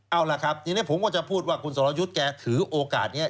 เอาล่ะครับทีนี้ผมก็จะพูดว่าคุณสรยุทธ์แกถือโอกาสนี้